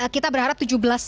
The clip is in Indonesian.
kita berharap tujuh belas